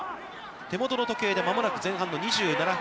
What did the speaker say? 手元の時計で間もなく前半の２７分。